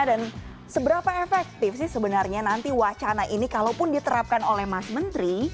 dan seberapa efektif sih sebenarnya nanti wacana ini kalaupun diterapkan oleh mas menteri